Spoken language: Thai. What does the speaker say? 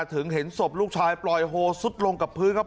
เห็นศพลูกชายปล่อยโฮซุดลงกับพื้นครับ